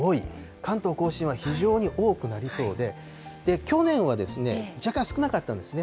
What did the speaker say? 関東甲信は非常に多くなりそうで、去年は若干少なかったんですね。